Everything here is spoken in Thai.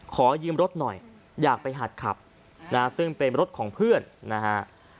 ขอยืมรถหน่อยอยากไปหัดขับนะฮะซึ่งเป็นรถของเพื่อนนะฮะ